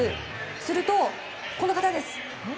すると、この方です。